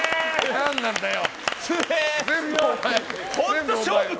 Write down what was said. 何なんだよ。